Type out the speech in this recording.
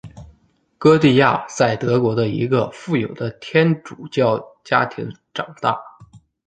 歌地亚在德国的一个富有的天主教家庭长大。